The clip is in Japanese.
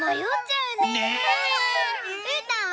うーたんは？